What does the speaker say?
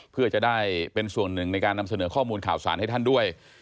เพื่อจะได้เป็นส่วนหนึ่งในการนำเสนอข้อมูลข่าวสารให้ท่านด้วย